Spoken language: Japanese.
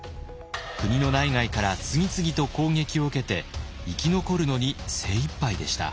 国の内外から次々と攻撃を受けて生き残るのに精いっぱいでした。